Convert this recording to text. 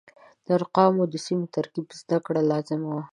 د ارقامو د سمې ترکیب زده کړه لازمه وه.